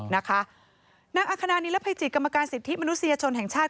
นางอัคณานิรภัยจิตกรรมการสิทธิมนุษยชนแห่งชาติ